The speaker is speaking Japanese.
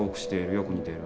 よく似ている。